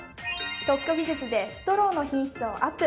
特許技術でストローの品質をアップ。